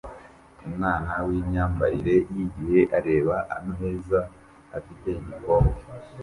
Umwana wimyambarire yigihe areba ameza afite igikombe